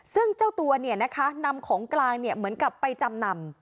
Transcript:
ซึ่งเจ้าตัวเนี่ยนะคะนำของกลางเนี่ยเหมือนกับใบจำนำ